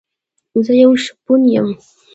زه يو شپون يم